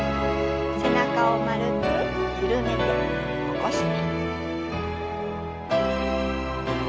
背中を丸く緩めて起こして。